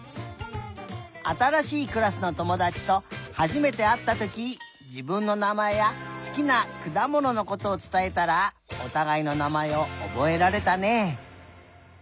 あたらしいクラスのともだちとはじめてあったときじぶんのなまえやすきなくだもののことをつたえたらおたがいのなまえをおぼえられたね。